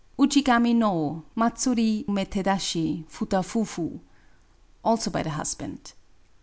Ujigami no Matsuri medetashi Futa fufil. — Also by the husband.